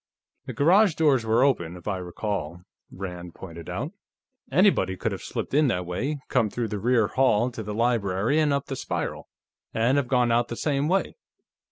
"The garage doors were open, if I recall," Rand pointed out. "Anybody could have slipped in that way, come through the rear hall to the library and up the spiral, and have gone out the same way.